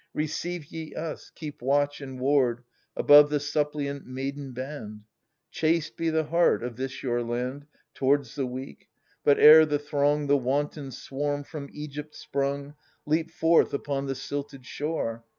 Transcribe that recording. ^ Receive ye us — keep watch and ward Above the suppliant maiden band ! Chaste be the heart of this your land Towards the weak ! but, ere the throng, The wanton swarm, from Egypt sprung, Leap forth upon the silted shore.